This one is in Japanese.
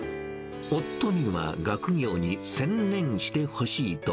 夫には学業に専念してほしいと、